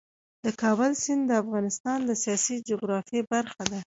د کابل سیند د افغانستان د سیاسي جغرافیه برخه ده.